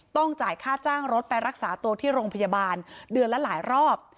ต้องจ่ายค่าจ้างรถไปรักษาตัวที่โรงพยาบาลเดือนละหลายรอบ